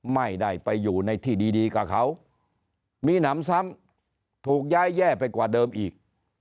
ไม่ได้ไปอยู่ในที่ดีกับเขามีหนำซ้ำถูกย้ายแย่ไปกว่าเดิมอีก